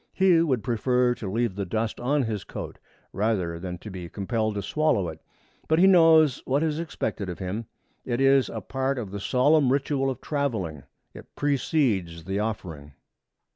He would prefer to leave the dust on his coat rather than to be compelled to swallow it. But he knows what is expected of him. It is a part of the solemn ritual of traveling. It precedes the offering.